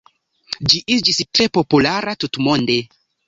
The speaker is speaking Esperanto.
Ĝi iĝis tre populara tutmonde.